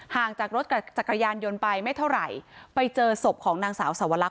ห่างจากรถจักรยานยนต์ไปไม่เท่าไหร่ไปเจอศพของนางสาวสวรรค